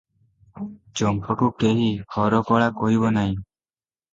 ଚମ୍ପାକୁ କେହି ହରକଳା କହିବ ନାହିଁ ।